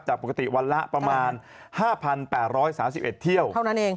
ปกติวันละประมาณ๕๘๓๑เที่ยวเท่านั้นเอง